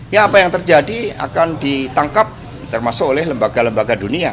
ya apa yang terjadi akan ditangkap termasuk oleh lembaga lembaga dunia